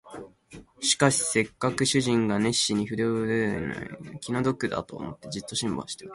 しかしせっかく主人が熱心に筆を執っているのを動いては気の毒だと思って、じっと辛抱しておった